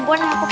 masih tuh prof